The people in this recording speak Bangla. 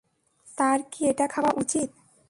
তার কি এটা খাওয়া উচিত?